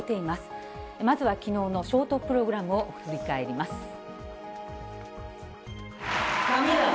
まずはきのうのショートプログラムを振り返ります。